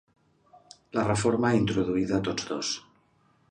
La reforma introduïda tots dos.